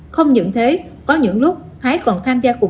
không những thế có những lúc thái còn tham gia cùng đại diện